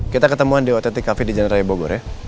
kita ketemuan di otetik cafe di jenderal bogor ya